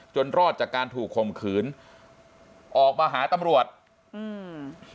รอดจากการถูกข่มขืนออกมาหาตำรวจอืม